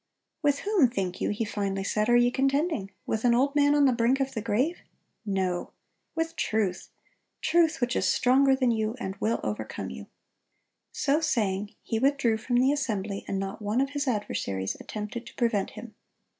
"With whom, think you," he finally said, "are ye contending? with an old man on the brink of the grave? No! with Truth,—Truth which is stronger than you, and will overcome you."(120) So saying, he withdrew from the assembly, and not one of his adversaries attempted to prevent him.